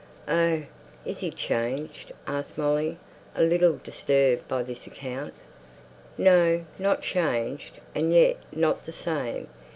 "Oh! is he changed?" asked Molly, a little disturbed by this account. "No, not changed; and yet not the same.